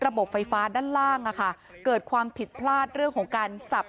ไฟฟ้าด้านล่างเกิดความผิดพลาดเรื่องของการสับ